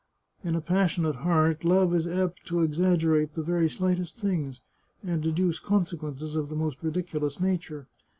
In a passionate heart, love is apt to exag gerate the very slightest things, and deduce consequences of the most ridiculous nature.